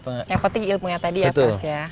yang penting ilmunya tadi ya coach ya